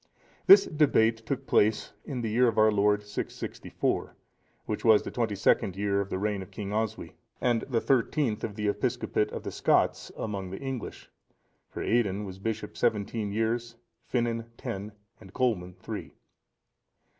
This debate took place in the year of our Lord 664, which was the twenty second year of the reign of King Oswy, and the thirtieth of the episcopate of the Scots among the English; for Aidan was bishop seventeen years, Finan ten, and Colman three.